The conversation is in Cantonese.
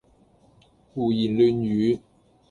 胡言亂語